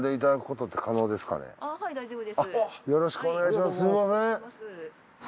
よろしくお願いします。